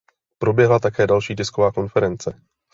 Proběhla také další tisková konference.